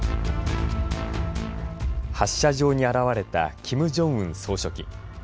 発射場に現れたキム・ジョンウン総書記。